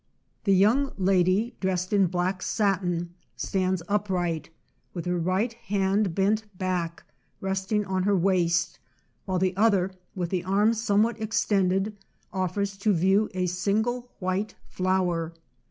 The young lady, dressed in black satin, stands upright, with her right hand bent back, resting on her waist, while the other, with the arm somewhat extended, offers to view a single white flower.